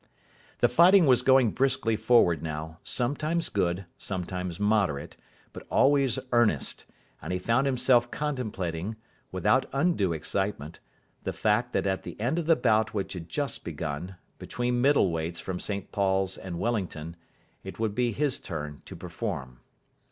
The fighting was going briskly forward now, sometimes good, sometimes moderate, but always earnest, and he found himself contemplating, without undue excitement, the fact that at the end of the bout which had just begun, between middle weights from St Paul's and Wellington, it would be his turn to perform.